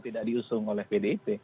tidak diusung oleh pdip